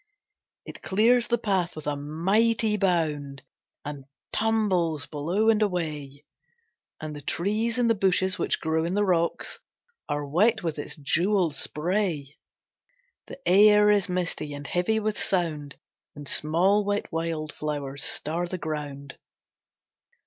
It clears the path with a mighty bound And tumbles below and away, And the trees and the bushes which grow in the rocks Are wet with its jewelled spray; The air is misty and heavy with sound, And small, wet wildflowers star the ground.